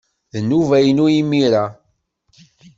D nnuba-inu imir-a.